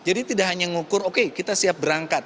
jadi tidak hanya mengukur oke kita siap berangkat